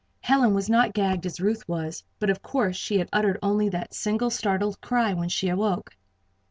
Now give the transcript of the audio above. Helen was not gagged as Ruth was; but, of course, she had uttered only that single startled cry when she awoke.